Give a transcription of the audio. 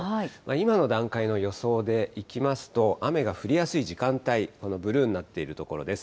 今の段階の予想でいきますと、雨が降りやすい時間帯、このブルーになっている所です。